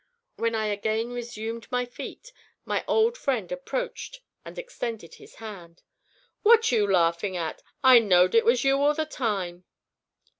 When I again resumed my feet, my old friend approached and extended his hand. "What you laughing at? I knowed it was you all the time."